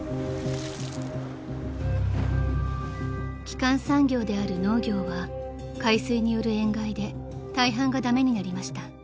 ［基幹産業である農業は海水による塩害で大半が駄目になりました］